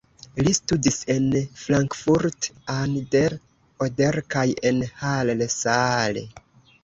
Li studis en Frankfurt an der Oder kaj en Halle (Saale).